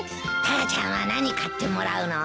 タラちゃんは何買ってもらうの？